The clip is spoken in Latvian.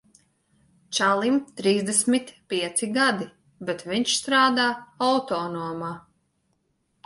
Čalim trīsdesmit pieci gadi, bet viņš strādā autonomā.